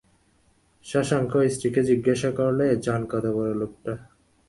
শশাঙ্ক স্ত্রীকে জিজ্ঞাসা করলে, জান কতবড়ো লোকটা।